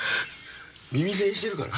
耳栓してるから。